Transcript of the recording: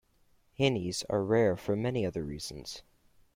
Hinnies are rare for many other reasons.